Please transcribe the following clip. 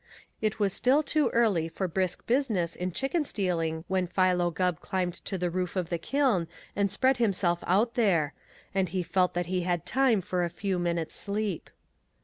It was still too early for brisk business in chicken stealing when Philo Gubb climbed to the roof of the kiln and spread himself out there, and he felt that he had time for a few minutes' sleep.